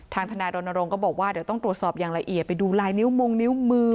ทนายรณรงค์ก็บอกว่าเดี๋ยวต้องตรวจสอบอย่างละเอียดไปดูลายนิ้วมงนิ้วมือ